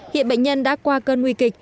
hiện bệnh nhân đã qua cơn nguy kịch